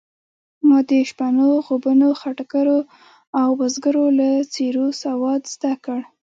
ما د شپنو، غوبنو، خټګرو او بزګرو له څېرو سواد زده کړ.